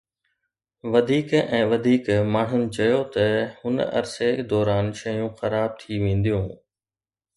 وڌيڪ ۽ وڌيڪ ماڻهن چيو ته هن عرصي دوران شيون خراب ٿي وينديون